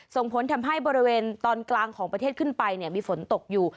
ส่งผลทำให้บริเวณตอนกลางของประเทศขึ้นไปมีฝนตกอยู่